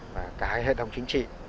và các hệ thống chính trị